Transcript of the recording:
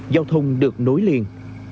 giao thông được nối liền